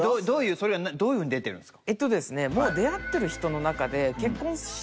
それはどういうふうに出てるんですか？